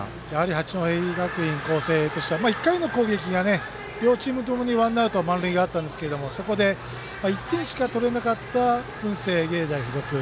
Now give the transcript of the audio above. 八戸学院光星としては１回の攻撃が両チームともにワンアウト、満塁があったんですけれどもそこで１点しか取れなかった文星芸大付属。